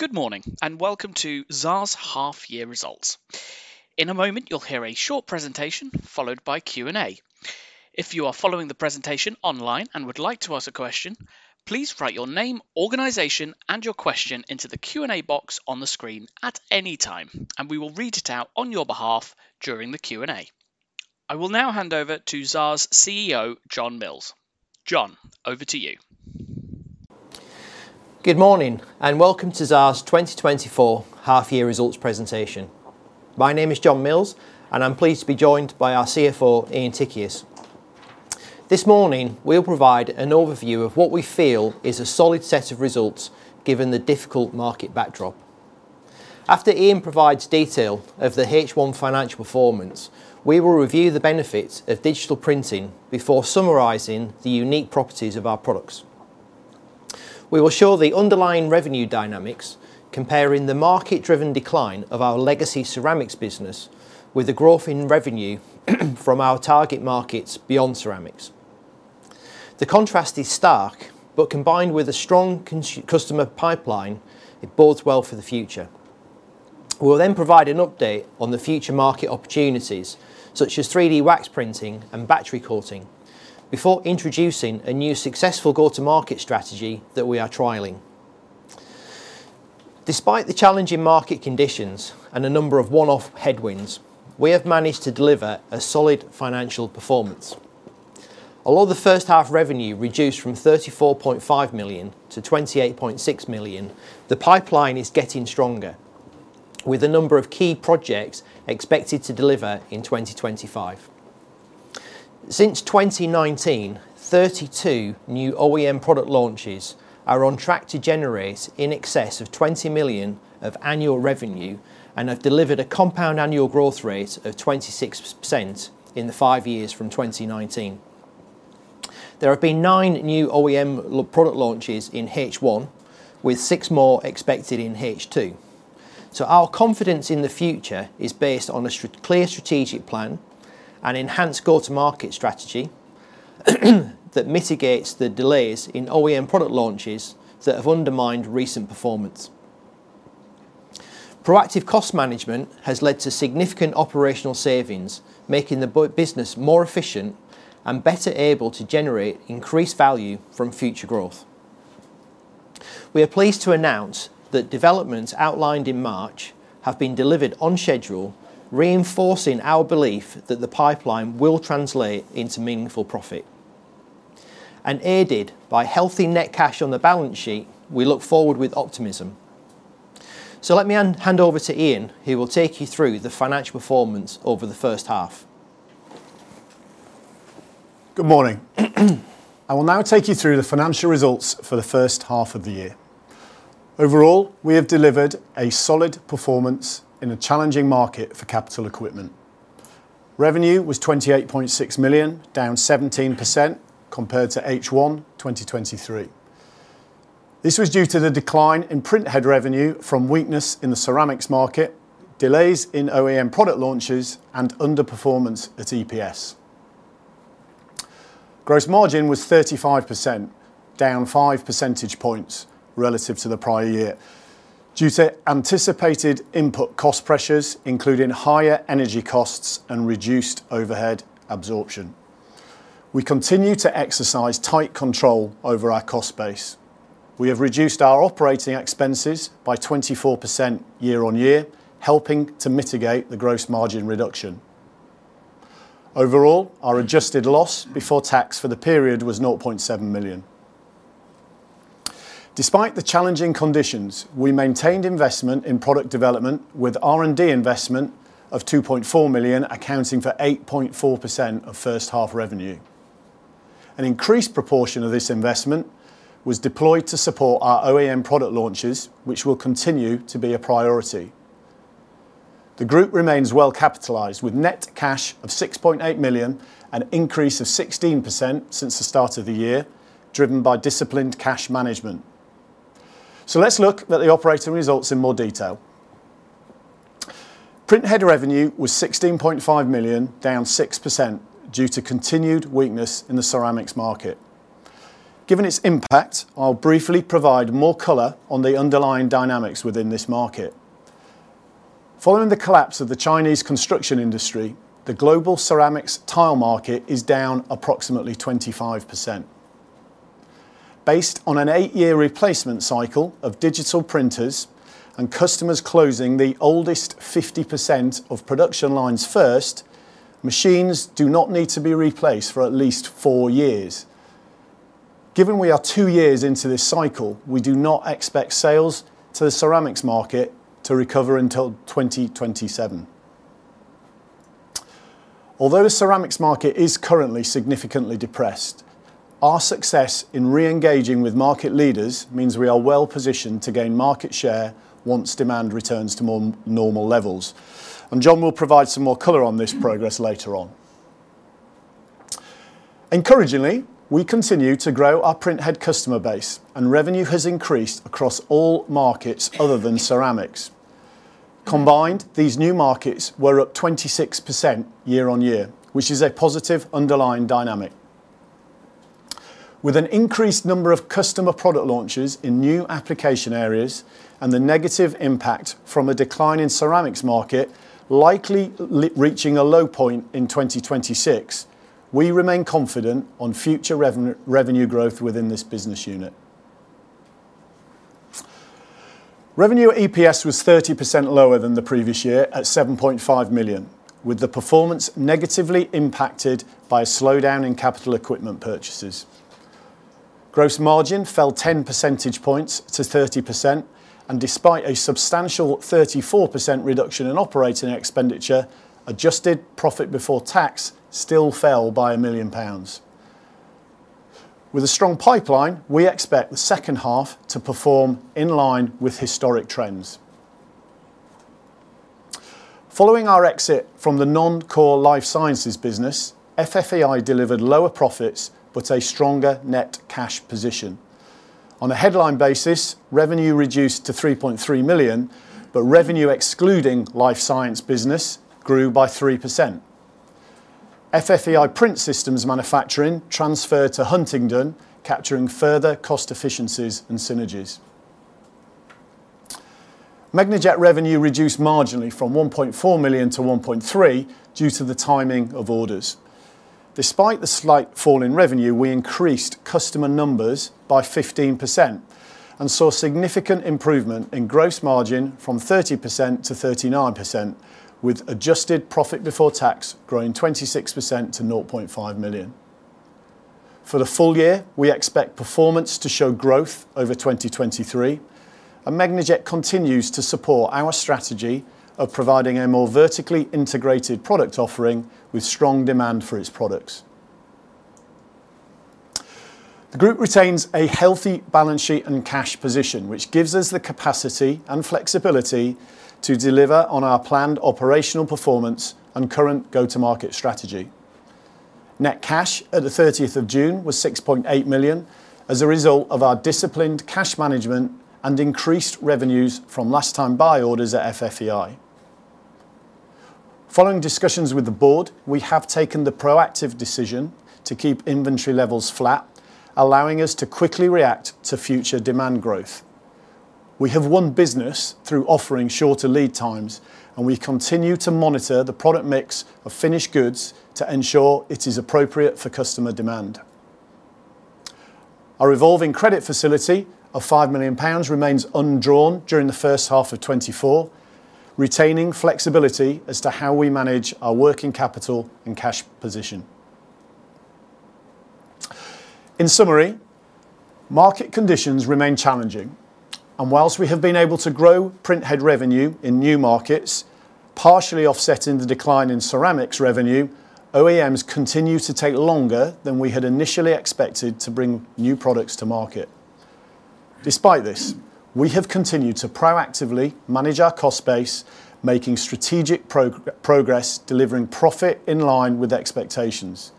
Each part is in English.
Good morning, and welcome to Xaar's half year results. In a moment, you'll hear a short presentation, followed by Q&A. If you are following the presentation online and would like to ask a question, please write your name, organization, and your question into the Q&A box on the screen at any time, and we will read it out on your behalf during the Q&A. I will now hand over to Xaar's CEO, John Mills. John, over to you. Good morning, and welcome to Xaar's 2024 half year results presentation. My name is John Mills, and I'm pleased to be joined by our CFO, Ian Tichias. This morning, we'll provide an overview of what we feel is a solid set of results, given the difficult market backdrop. After Ian provides detail of the H1 financial performance, we will review the benefits of digital printing before summarizing the unique properties of our products. We will show the underlying revenue dynamics, comparing the market-driven decline of our legacy ceramics business with the growth in revenue from our target markets beyond ceramics. The contrast is stark, but combined with a strong customer pipeline, it bodes well for the future. We'll then provide an update on the future market opportunities, such as 3D wax printing and battery coating, before introducing a new successful go-to-market strategy that we are trialing. Despite the challenging market conditions and a number of one-off headwinds, we have managed to deliver a solid financial performance. Although the first half revenue reduced from 34.5 million to 28.6 million, the pipeline is getting stronger, with a number of key projects expected to deliver in 2025. Since 2019, 32 new OEM product launches are on track to generate in excess of 20 million of annual revenue and have delivered a compound annual growth rate of 26% in the five years from 2019. There have been nine new OEM product launches in H1, with six more expected in H2. Our confidence in the future is based on a clear strategic plan and enhanced go-to-market strategy, that mitigates the delays in OEM product launches that have undermined recent performance. Proactive cost management has led to significant operational savings, making the business more efficient and better able to generate increased value from future growth. We are pleased to announce that developments outlined in March have been delivered on schedule, reinforcing our belief that the pipeline will translate into meaningful profit. And aided by healthy net cash on the balance sheet, we look forward with optimism. So let me hand over to Ian, who will take you through the financial performance over the first half. Good morning. I will now take you through the financial results for the first half of the year. Overall, we have delivered a solid performance in a challenging market for capital equipment. Revenue was 28.6 million, down 17% compared to H1 2023. This was due to the decline in printhead revenue from weakness in the ceramics market, delays in OEM product launches, and underperformance at EPS. Gross margin was 35%, down five percentage points relative to the prior year, due to anticipated input cost pressures, including higher energy costs and reduced overhead absorption. We continue to exercise tight control over our cost base. We have reduced our operating expenses by 24% year on year, helping to mitigate the gross margin reduction. Overall, our adjusted loss before tax for the period was 0.7 million. Despite the challenging conditions, we maintained investment in product development with R&D investment of 2.4 million, accounting for 8.4% of first half revenue. An increased proportion of this investment was deployed to support our OEM product launches, which will continue to be a priority. The group remains well capitalized, with net cash of 6.8 million, an increase of 16% since the start of the year, driven by disciplined cash management. So let's look at the operating results in more detail. Printhead revenue was 16.5 million, down 6%, due to continued weakness in the ceramics market. Given its impact, I'll briefly provide more color on the underlying dynamics within this market. Following the collapse of the Chinese construction industry, the global ceramics tile market is down approximately 25%. Based on an 8-year replacement cycle of digital printers and customers closing the oldest 50% of production lines first, machines do not need to be replaced for at least four years. Given we are two years into this cycle, we do not expect sales to the ceramics market to recover until 2027. Although the ceramics market is currently significantly depressed, our success in re-engaging with market leaders means we are well positioned to gain market share once demand returns to more normal levels, and John will provide some more color on this progress later on. Encouragingly, we continue to grow our printhead customer base, and revenue has increased across all markets other than ceramics. Combined, these new markets were up 26% year on year, which is a positive underlying dynamic.... With an increased number of customer product launches in new application areas and the negative impact from a decline in ceramics market, likely reaching a low point in 2026, we remain confident on future revenue growth within this business unit. Revenue EPS was 30% lower than the previous year, at 7.5 million, with the performance negatively impacted by a slowdown in capital equipment purchases. Gross margin fell ten percentage points to 30%, and despite a substantial 34% reduction in operating expenditure, adjusted profit before tax still fell by 1 million pounds. With a strong pipeline, we expect the second half to perform in line with historic trends. Following our exit from the non-core life sciences business, FFEI delivered lower profits, but a stronger net cash position. On a headline basis, revenue reduced to 3.3 million, but revenue excluding life science business grew by 3%. FFEI Print Systems manufacturing transferred to Huntingdon, capturing further cost efficiencies and synergies. Megnajet revenue reduced marginally from 1.4 million to 1.3 million due to the timing of orders. Despite the slight fall in revenue, we increased customer numbers by 15% and saw significant improvement in gross margin from 30% to 39%, with adjusted profit before tax growing 26% to 0.5 million. For the full year, we expect performance to show growth over 2023, and Megnajet continues to support our strategy of providing a more vertically integrated product offering with strong demand for its products. The group retains a healthy balance sheet and cash position, which gives us the capacity and flexibility to deliver on our planned operational performance and current go-to-market strategy. Net cash at 30th June was 6.8 million as a result of our disciplined cash management and increased revenues from last time buy orders at FFEI. Following discussions with the board, we have taken the proactive decision to keep inventory levels flat, allowing us to quickly react to future demand growth. We have won business through offering shorter lead times, and we continue to monitor the product mix of finished goods to ensure it is appropriate for customer demand. Our revolving credit facility of 5 million pounds remains undrawn during the first half of 2024, retaining flexibility as to how we manage our working capital and cash position. In summary, market conditions remain challenging, and while we have been able to grow printhead revenue in new markets, partially offsetting the decline in ceramics revenue, OEMs continue to take longer than we had initially expected to bring new products to market. Despite this, we have continued to proactively manage our cost base, making strategic progress, delivering profit in line with expectations.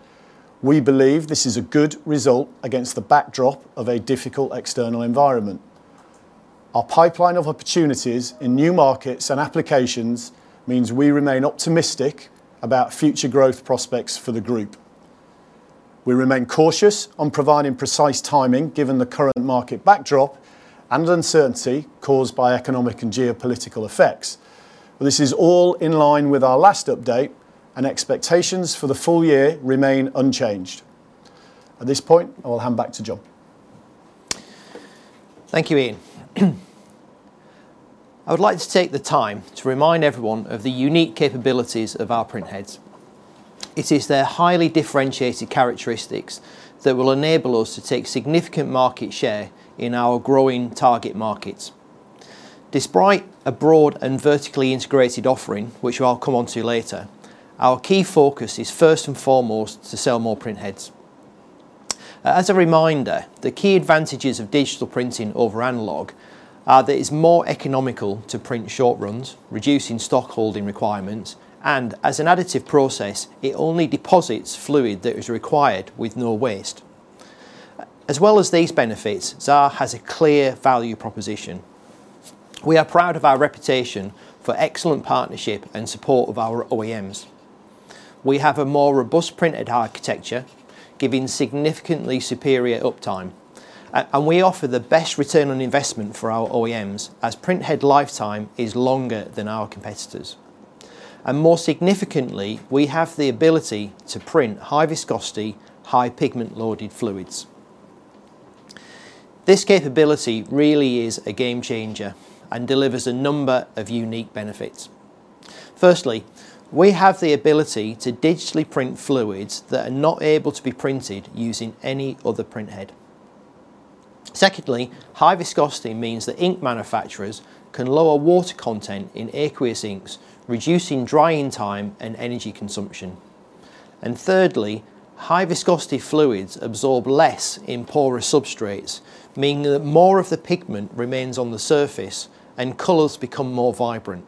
We believe this is a good result against the backdrop of a difficult external environment. Our pipeline of opportunities in new markets and applications means we remain optimistic about future growth prospects for the group. We remain cautious on providing precise timing, given the current market backdrop and uncertainty caused by economic and geopolitical effects. But this is all in line with our last update, and expectations for the full year remain unchanged. At this point, I will hand back to John. Thank you, Ian. I would like to take the time to remind everyone of the unique capabilities of our printheads. It is their highly differentiated characteristics that will enable us to take significant market share in our growing target markets. Despite a broad and vertically integrated offering, which I'll come onto later, our key focus is first and foremost to sell more printheads. As a reminder, the key advantages of digital printing over analog are that it's more economical to print short runs, reducing stock holding requirements, and as an additive process, it only deposits fluid that is required with no waste. As well as these benefits, Xaar has a clear value proposition. We are proud of our reputation for excellent partnership and support of our OEMs. We have a more robust printed architecture, giving significantly superior uptime, and we offer the best return on investment for our OEMs, as printhead lifetime is longer than our competitors. And more significantly, we have the ability to print high viscosity, high pigment-loaded fluids. This capability really is a game changer and delivers a number of unique benefits. Firstly, we have the ability to digitally print fluids that are not able to be printed using any other printhead. Secondly, high viscosity means that ink manufacturers can lower water content in aqueous inks, reducing drying time and energy consumption. And thirdly, high viscosity fluids absorb less in porous substrates, meaning that more of the pigment remains on the surface and colors become more vibrant.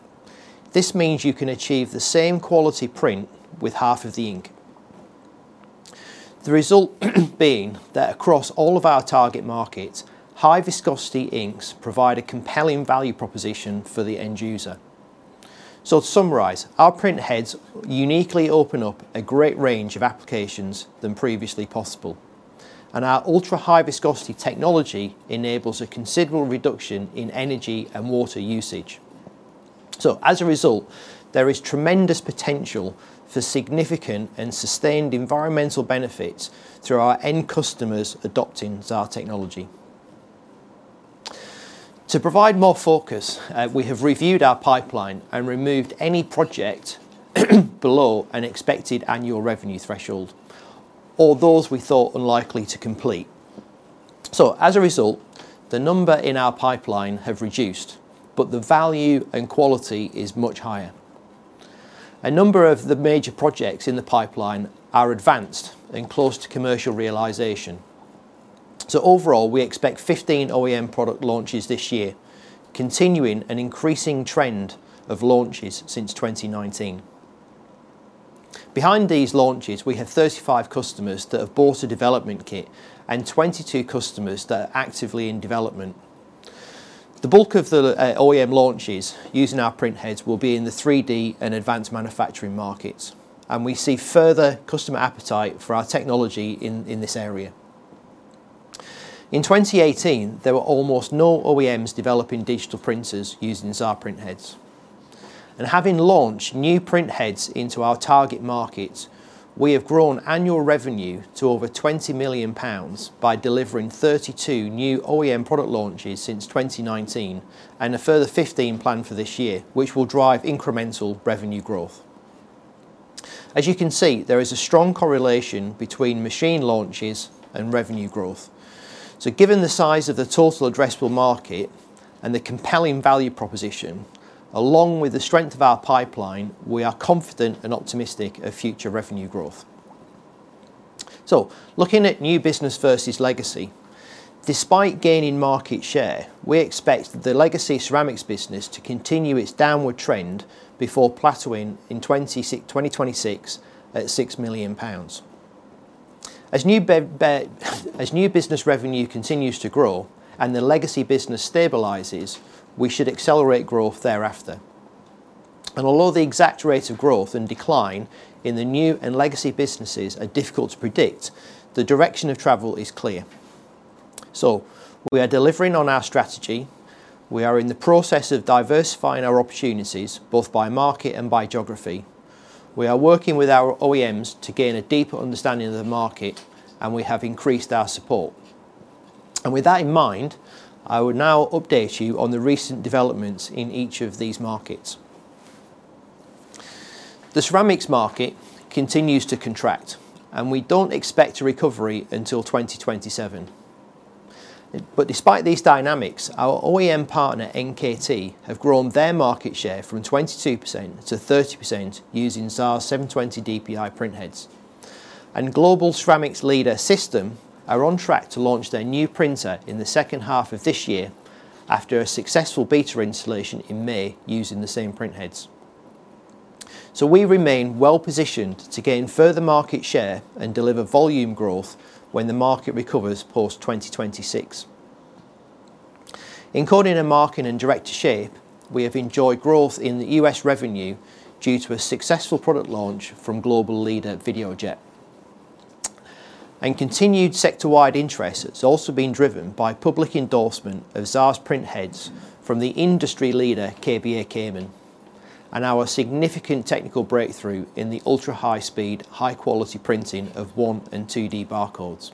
This means you can achieve the same quality print with half of the ink. The result being that across all of our target markets, high viscosity inks provide a compelling value proposition for the end user. So to summarize, our printheads uniquely open up a great range of applications than previously possible, and our ultra-high viscosity technology enables a considerable reduction in energy and water usage. So as a result, there is tremendous potential for significant and sustained environmental benefits through our end customers adopting Xaar technology. To provide more focus, we have reviewed our pipeline and removed any project below an expected annual revenue threshold or those we thought unlikely to complete. So as a result, the number in our pipeline have reduced, but the value and quality is much higher. A number of the major projects in the pipeline are advanced and close to commercial realization. So overall, we expect 15 OEM product launches this year, continuing an increasing trend of launches since 2019. Behind these launches, we have 35 customers that have bought a development kit and 22 customers that are actively in development. The bulk of the OEM launches using our printheads will be in the 3D and advanced manufacturing markets, and we see further customer appetite for our technology in this area. In twenty eighteen, there were almost no OEMs developing digital printers using Xaar printheads. And having launched new printheads into our target markets, we have grown annual revenue to over 20 million pounds by delivering 32 new OEM product launches since twenty nineteen, and a further fifteen planned for this year, which will drive incremental revenue growth. As you can see, there is a strong correlation between machine launches and revenue growth. Given the size of the total addressable market and the compelling value proposition, along with the strength of our pipeline, we are confident and optimistic of future revenue growth. Looking at new business versus legacy, despite gaining market share, we expect the legacy ceramics business to continue its downward trend before plateauing in 2026, at GBP 6 million. As new business revenue continues to grow and the legacy business stabilizes, we should accelerate growth thereafter. Although the exact rates of growth and decline in the new and legacy businesses are difficult to predict, the direction of travel is clear. We are delivering on our strategy, we are in the process of diversifying our opportunities, both by market and by geography. We are working with our OEMs to gain a deeper understanding of the market, and we have increased our support. With that in mind, I will now update you on the recent developments in each of these markets. The ceramics market continues to contract, and we don't expect a recovery until 2027. Despite these dynamics, our OEM partner, NKT, have grown their market share from 22% to 30% using Xaar's 720 dpi printheads. Global ceramics leader System are on track to launch their new printer in the second half of this year after a successful beta installation in May using the same printheads. We remain well-positioned to gain further market share and deliver volume growth when the market recovers post-2026. In coding and marking and direct-to-shape, we have enjoyed growth in the U.S. revenue due to a successful product launch from global leader Videojet, and continued sector-wide interest has also been driven by public endorsement of Xaar's printheads from the industry leader, KBA-Kammann, and our significant technical breakthrough in the ultra-high speed, high-quality printing of 1D and 2D barcodes.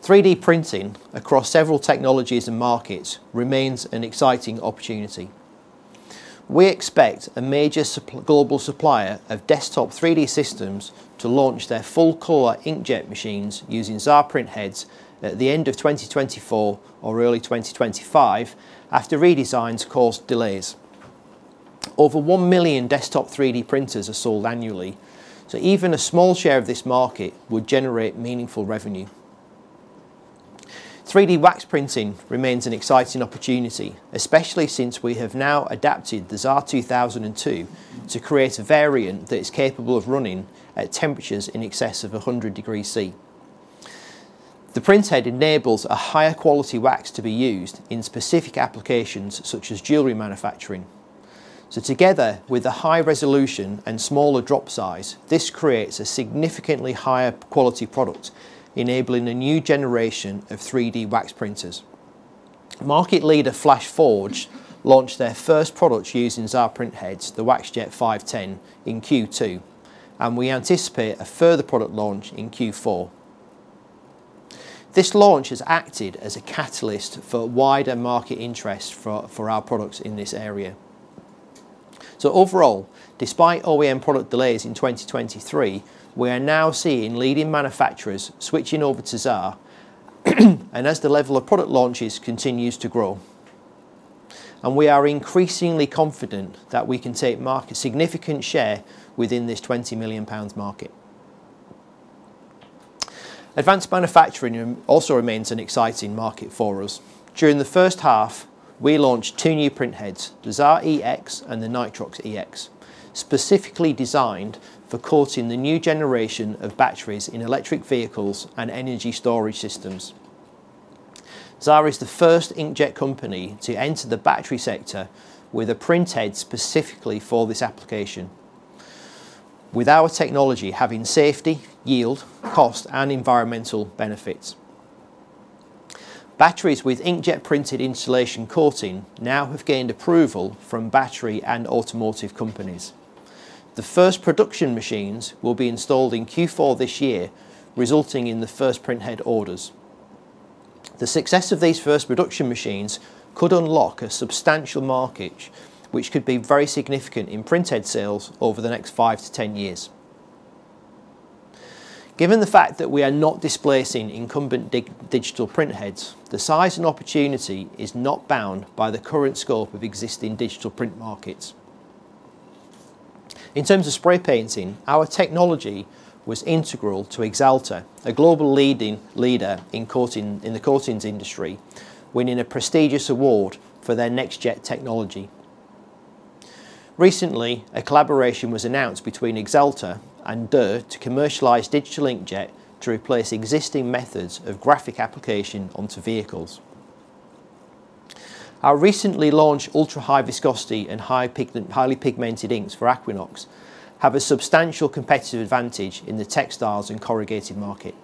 3D printing across several technologies and markets remains an exciting opportunity. We expect a major global supplier of desktop 3D systems to launch their full-color inkjet machines using Xaar printheads at the end of 2024 or early 2025, after redesigns caused delays. Over 1 million desktop 3D printers are sold annually, so even a small share of this market would generate meaningful revenue. 3D wax printing remains an exciting opportunity, especially since we have now adapted the Xaar 2002 to create a variant that is capable of running at temperatures in excess of 100 degrees Celsius. The printhead enables a higher quality wax to be used in specific applications such as jewelry manufacturing, so together with the high resolution and smaller drop size, this creates a significantly higher quality product, enabling a new generation of 3D wax printers. Market leader FlashForge launched their first product using Xaar printheads, the WaxJet 510, in Q2, and we anticipate a further product launch in Q4. This launch has acted as a catalyst for wider market interest for our products in this area. Overall, despite OEM product delays in 2023, we are now seeing leading manufacturers switching over to Xaar, and as the level of product launches continues to grow, and we are increasingly confident that we can take market significant share within this 20 million pounds market. Advanced manufacturing also remains an exciting market for us. During the first half, we launched two new printheads, the Xaar 2002 and the Nitrox, specifically designed for coating the new generation of batteries in electric vehicles and energy storage systems. Xaar is the first inkjet company to enter the battery sector with a printhead specifically for this application. With our technology having safety, yield, cost, and environmental benefits. Batteries with inkjet-printed insulation coating now have gained approval from battery and automotive companies. The first production machines will be installed in Q4 this year, resulting in the first printhead orders. The success of these first production machines could unlock a substantial market, which could be very significant in printhead sales over the next five to 10 years. Given the fact that we are not displacing incumbent digital printheads, the size and opportunity is not bound by the current scope of existing digital print markets. In terms of spray painting, our technology was integral to Axalta, a global leader in the coatings industry, winning a prestigious award for their NextJet technology. Recently, a collaboration was announced between Axalta and Dürr to commercialize digital inkjet to replace existing methods of graphic application onto vehicles. Our recently launched ultra-high viscosity and highly pigmented inks for Aquinox have a substantial competitive advantage in the textiles and corrugated market.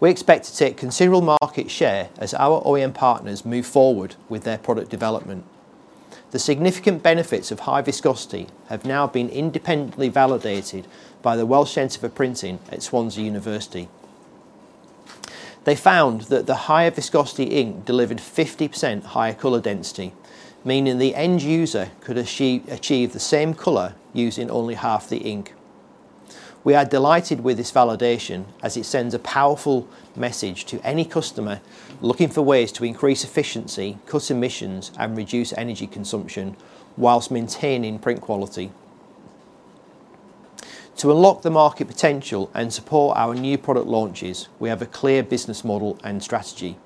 We expect to take considerable market share as our OEM partners move forward with their product development. The significant benefits of high viscosity have now been independently validated by the Welsh Centre for Printing at Swansea University. They found that the higher viscosity ink delivered 50% higher color density, meaning the end user could achieve the same color using only half the ink. We are delighted with this validation, as it sends a powerful message to any customer looking for ways to increase efficiency, cut emissions, and reduce energy consumption while maintaining print quality. To unlock the market potential and support our new product launches, we have a clear business model and strategy.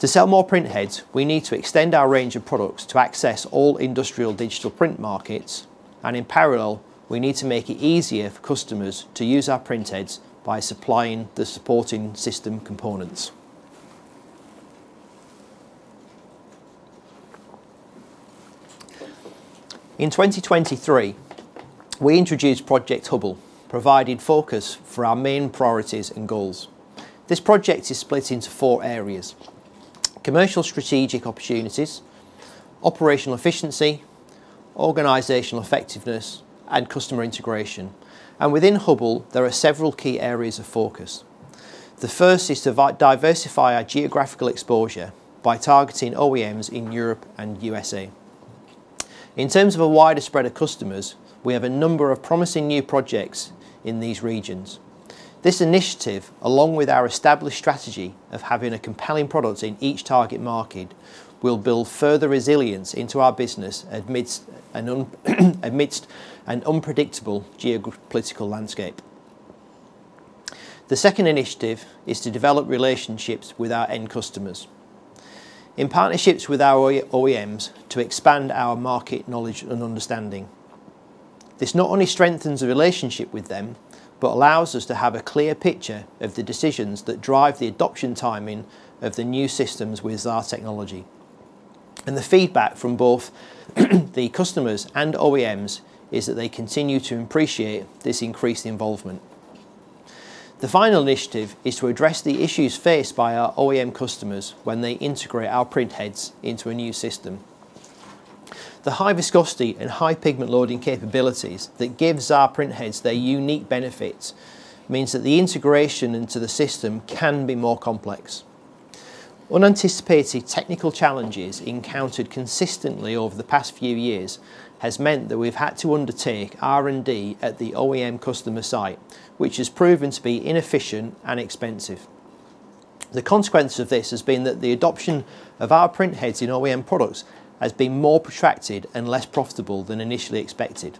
To sell more printheads, we need to extend our range of products to access all industrial digital print markets, and in parallel, we need to make it easier for customers to use our printheads by supplying the supporting system components. In 2023, we introduced Project Hubble, providing focus for our main priorities and goals. This project is split into four areas: commercial strategic opportunities, operational efficiency, organizational effectiveness, and customer integration. Within Hubble, there are several key areas of focus. The first is to diversify our geographical exposure by targeting OEMs in Europe and USA. In terms of a wider spread of customers, we have a number of promising new projects in these regions. This initiative, along with our established strategy of having a compelling product in each target market, will build further resilience into our business amidst an unpredictable geopolitical landscape. The second initiative is to develop relationships with our end customers in partnerships with our OEMs to expand our market knowledge and understanding. This not only strengthens the relationship with them, but allows us to have a clear picture of the decisions that drive the adoption timing of the new systems with our technology. And the feedback from both, the customers and OEMs, is that they continue to appreciate this increased involvement. The final initiative is to address the issues faced by our OEM customers when they integrate our printheads into a new system. The high viscosity and high pigment loading capabilities that give Xaar printheads their unique benefits, means that the integration into the system can be more complex. Unanticipated technical challenges encountered consistently over the past few years, has meant that we've had to undertake R&D at the OEM customer site, which has proven to be inefficient and expensive. The consequence of this has been that the adoption of our printheads in OEM products has been more protracted and less profitable than initially expected,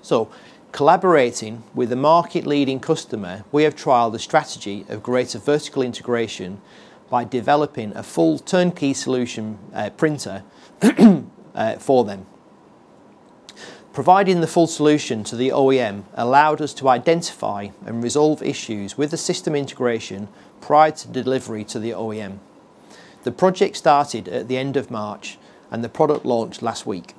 so collaborating with a market-leading customer, we have trialed a strategy of greater vertical integration by developing a full turnkey solution, printer, for them. Providing the full solution to the OEM allowed us to identify and resolve issues with the system integration prior to delivery to the OEM. The project started at the end of March, and the product launched last week.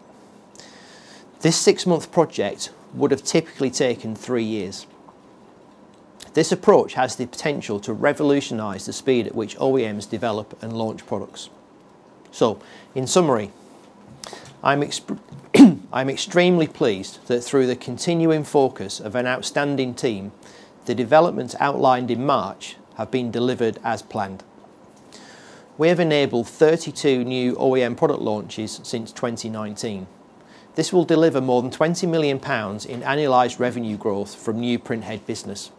This 6-month project would have typically taken three years. This approach has the potential to revolutionize the speed at which OEMs develop and launch products, so in summary, I'm extremely pleased that through the continuing focus of an outstanding team, the developments outlined in March have been delivered as planned. We have enabled 32 new OEM product launches since 2019. This will deliver more than 20 million pounds in annualized revenue growth from new printhead business.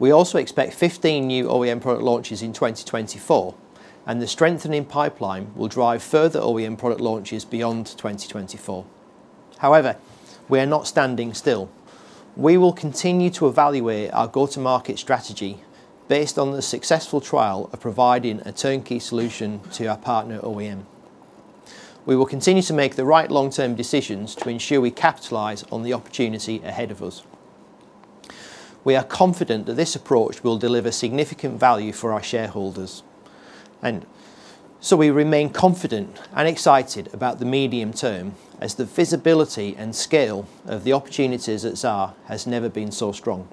We also expect 15 new OEM product launches in 2024, and the strengthening pipeline will drive further OEM product launches beyond 2024. However, we are not standing still. We will continue to evaluate our go-to-market strategy based on the successful trial of providing a turnkey solution to our partner OEM. We will continue to make the right long-term decisions to ensure we capitalize on the opportunity ahead of us. We are confident that this approach will deliver significant value for our shareholders, and so we remain confident and excited about the medium term, as the visibility and scale of the opportunities at Xaar has never been so strong.